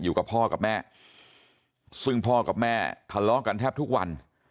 อยู่กับพ่อกับแม่ซึ่งพ่อกับแม่ทะเลาะกันแทบทุกวัน